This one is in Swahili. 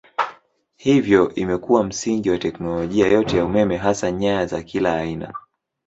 Hivyo imekuwa msingi wa teknolojia yote ya umeme hasa nyaya za kila aina.